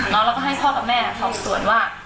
แล้วเราก็ให้พ่อกับแม่สอบสวนว่า